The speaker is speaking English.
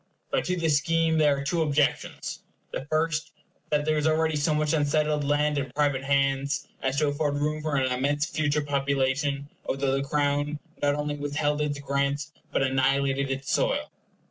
But to this scheme there are two objections. The first, that there is already so much unsettled land in private hands as to afford room for an immense future population, although the Crown not only withheld its grants, but annihilated its soil.